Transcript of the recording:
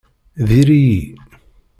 Diri-yi.